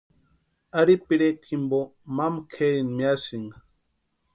Ari pirekwani jimpo mama kʼerini miasïnka.